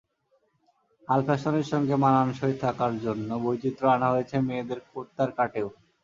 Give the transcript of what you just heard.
হাল ফ্যাশনের সঙ্গে মানানসই থাকার জন্য বৈচিত্র্য আনা হয়েছে মেয়েদের কুর্তার কাটেও।